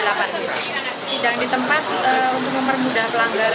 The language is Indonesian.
sidang di tempat untuk mempermudah pelanggar